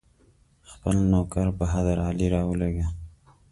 خپل نوکر بهادر علي راولېږه.